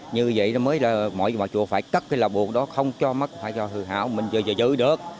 như vậy mới là mỗi chùa phải cắt cái lá buông đó không cho mất phải cho hư hảo mình chưa giữ được